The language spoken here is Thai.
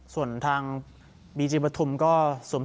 ส่วนทางบิจิปรัฐมิถูม